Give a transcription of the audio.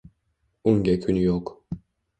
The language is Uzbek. Unga kun yo’q